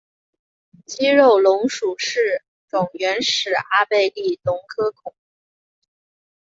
肌肉龙属是种原始阿贝力龙科恐龙。